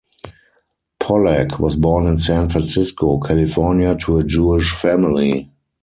Pollak was born in San Francisco, California, to a Jewish family.